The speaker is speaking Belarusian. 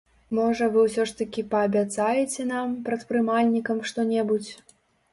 Можа вы ўсё ж такі паабяцаеце нам, прадпрымальнікам, што-небудзь?